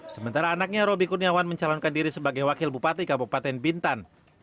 sementara anaknya roby kurniawan mencalonkan diri sebagai wakil bupati kabupaten bintan